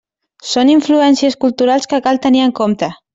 Són influències culturals que cal tenir en compte.